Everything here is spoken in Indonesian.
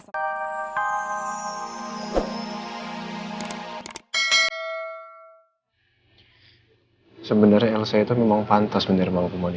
sebenarnya itu memang pantas bener mau kembali